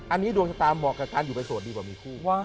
อันนี้ดวงชะตาเหมาะกับการอยู่ไปโสดดีกว่ามีคู่